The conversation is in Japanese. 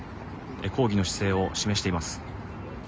抗議の姿勢を示しています。